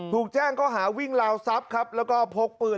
ถูกแจ้งข้อหาวิ่งราวทรัพย์ครับแล้วก็พกปืน